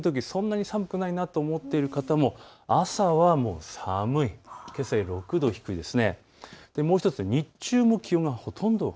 今夜お休みのときそんなに寒くないなと思っている方も朝はもう寒いけさより６度低いです。